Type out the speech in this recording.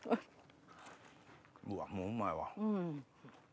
うわっもううまいわ。